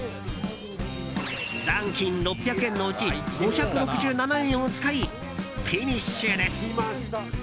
残金６００円のうち５６７円を使いフィニッシュです。